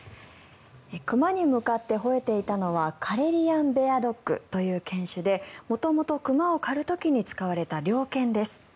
熊に向かってほえていたのはカレリアン・ベアドッグという犬種で元々、熊を狩る時に使われた猟犬です。